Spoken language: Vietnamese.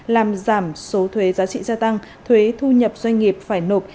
làm giảm số thuế giá trị gia tăng thuế thu nhập doanh nghiệp phải nộp